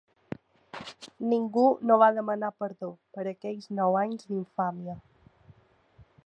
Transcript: Ningú no va demanar perdó per aquells nou anys d’infàmia.